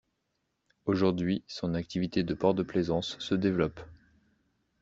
Aujourd’hui, son activité de port de plaisance se développe.